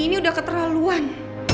ini udah keterlaluan